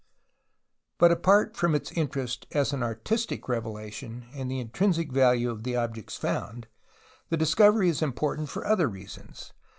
But apart from its interest as an artistic revelation and the intrinsic value of the objects found the discovery is important for other reasons.